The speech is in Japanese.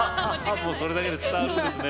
もうそれだけで伝わるんですね。